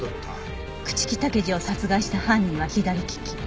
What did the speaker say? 朽木武二を殺害した犯人は左利き。